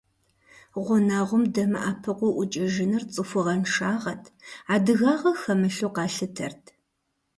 Гъунэгъум дэмыӀэпыкъуу ӀукӀыжыныр цӀыхугъэншагъэт, адыгагъэ хэмылъу къалъытэрт.